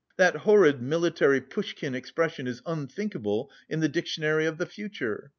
That horrid, military, Pushkin expression is unthinkable in the dictionary of the future.